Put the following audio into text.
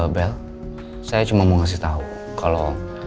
bel saya cuma mau kasih tau kalo